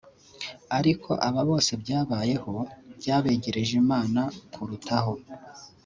ariko aba bose byabayeho byabegereje Imana kurutaho